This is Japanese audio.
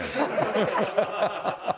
ハハハハ。